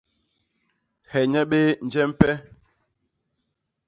He nye béé, njee mpe?